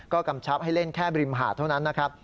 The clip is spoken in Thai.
ก็กำชับให้เล่นแค่บริมหาดเท่านั้นนะครับ